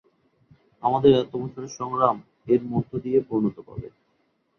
আমাদের এত বছরের সংগ্রাম এর মধ্য দিয়ে পূর্ণতা পাবে।